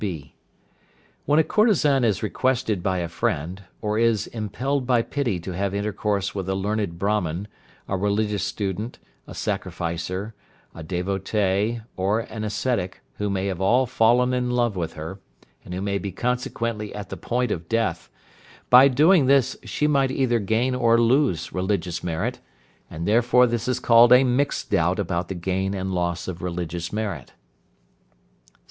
(b). When a courtesan is requested by a friend, or is impelled by pity to have intercourse with a learned Brahman, a religious student, a sacrificer, a devotee, or an ascetic who may have all fallen in love with her, and who may be consequently at the point of death, by doing this she might either gain or lose religious merit, and therefore this is called a mixed doubt about the gain and loss of religious merit.